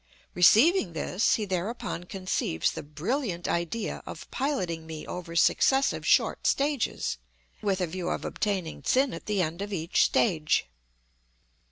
Receiving this, he thereupon conceives the brilliant idea of piloting me over successive short stages, with a view of obtaining tsin at the end of each stage.